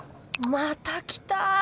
またきた。